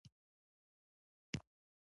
سره له دې انکار نه شو کولای